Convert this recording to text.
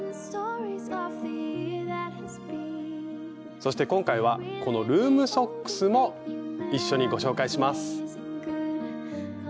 そして今回はこのルームソックスも一緒にご紹介します。